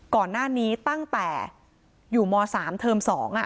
ก่อนหน้านี้ตั้งแต่อยู่ม๓เทอม๒